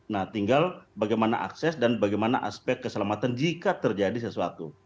nah tinggal bagaimana akses dan bagaimana aspek keselamatan jika terjadi sesuatu